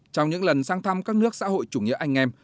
trong những lần sang thăm các nước xã hội chủ nghĩa anh em